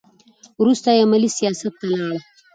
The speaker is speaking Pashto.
وروسته یې عملي سیاست ته لاړ.